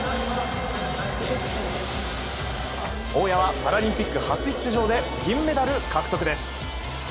大矢はパラリンピック初出場で銀メダル獲得です。